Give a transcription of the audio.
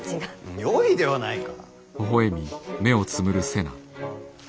よいではないか。